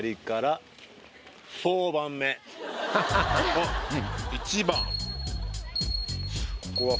おっ１番。